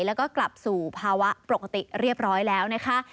แล้วก็กลับสู่ภาวะปกติเรียบร้อยแล้วนะคะ